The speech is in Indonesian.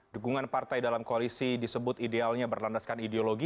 dukungan partai dalam koalisi disebut idealnya berlandaskan ideologi